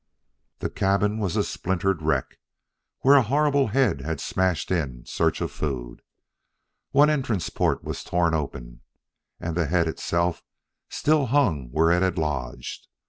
The cabin was a splintered wreck, where a horrible head had smashed in search of food. One entrance port was torn open, and the head itself still hung where it had lodged.